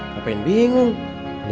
sampai jumpa lagi